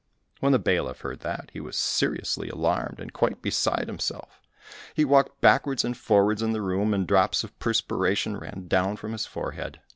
When the bailiff heard that, he was seriously alarmed and quite beside himself; he walked backwards and forwards in the room, and drops of perspiration ran down from his forehead.